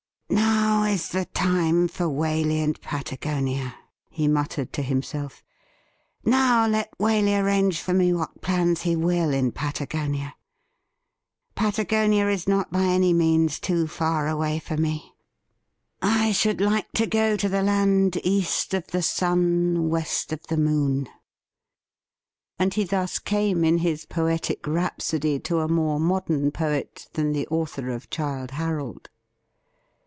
' Now is the time for Waley and Patagonia,' he muttered to himself. ' Now let Waley arrange for me what plans he will in Patagonia. Patagonia is not by any means too far away for me. I should like to go to the land east of 302 THE RIDDLE RING the sun, west of the moon,' and he thus came in his poetic rhapsody to a more modem poet than the author of ' Childe Harold.'